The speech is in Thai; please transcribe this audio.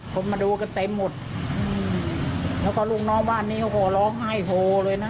คนมาดูกันเต็มหมดอืมแล้วก็ลูกน้องบ้านนี้เขาก็ร้องไห้โฮเลยนะ